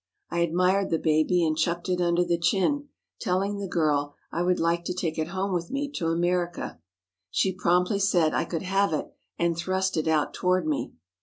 I admired the baby and chucked it under the chin, telling the girl I would like to take it home with me to America. She promptly said I could have it and thrust it out toward me.